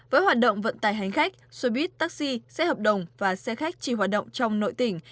với hoạt động vận tải hành khách xe buýt taxi xe hợp đồng và xe khách chỉ hoạt động trong nội tỉnh